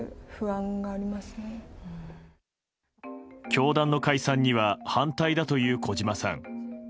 教団の解散には反対だという小嶌さん。